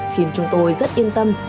khiến chúng tôi rất yên tâm